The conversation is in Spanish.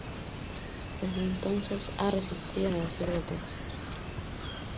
Desde entonces ha residido en el sur de Texas.